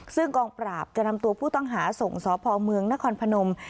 ซึ่งกองปราบจะนำตัวผู้ต้องหาส่งสพเมืองนครพนม